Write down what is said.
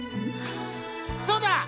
「そうだ！